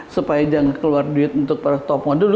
supaya jangan keluar duit untuk top model